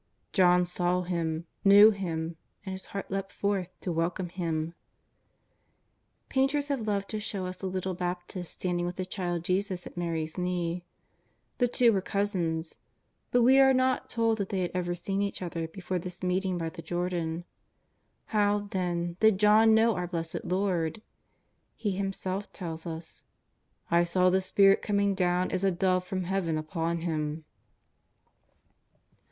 John saw Him., knew Him, and his heart leapt forth to welcome Him. Painters have loved to show us the little Baptist standing with the Child Jesus at Mary's knee. The two were cousins, but we are not told that they had ever seen each other before this meeting by the Jordan. How, then, did John know our Blessed Lord ? He him self tells us :" I saw the Spirit coming down as a dove from Heaven upon Him."